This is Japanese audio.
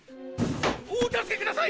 お助けください！